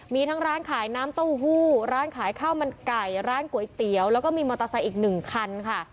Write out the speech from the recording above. มีทั้งร้านขายน้ำเต้าหู้ร้านขายข้าวมันไก่ร้านก๋วยเตี๋ยวแล้วก็มีมอเตอร์ไซค์อีกหนึ่งคันค่ะ